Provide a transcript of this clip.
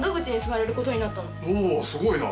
おすごいな。